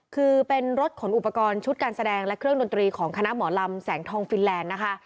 คือเป็นรถขนอุปกรณ์ชุดการแสดงและเครื่องดนตรีของคณะหมอลำแสงทองฟินแลนด์นะคะ